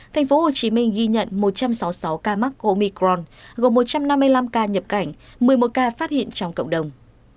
tp hcm ghi nhận một trăm sáu mươi sáu ca mắc omicron gồm một trăm năm mươi năm ca nhập cảnh một mươi một ca phát hiện trong cộng đồng